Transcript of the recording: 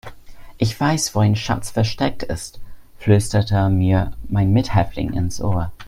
Ich weiß, wo ein Schatz versteckt ist, flüsterte mir mein Mithäftling ins Ohr.